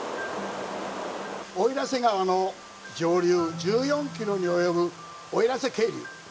奥入瀬川の上流１４キロに及ぶ奥入瀬渓流。